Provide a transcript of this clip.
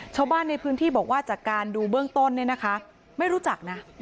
ชาวบ้านในพื้นที่บอกว่าจากการดูเบื้องต้นเนี่ยนะคะไม่รู้จักนะ